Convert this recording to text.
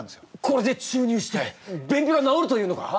これで注入してべんぴが治るというのか？